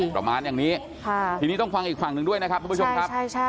ประมาณอย่างนี้ทีนี้ต้องฟังอีกฝั่งหนึ่งด้วยนะครับทุกผู้ชมครับ